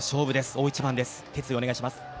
大一番です、決意お願いします。